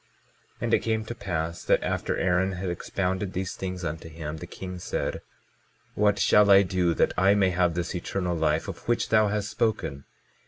22:15 And it came to pass that after Aaron had expounded these things unto him, the king said: What shall I do that I may have this eternal life of which thou hast spoken?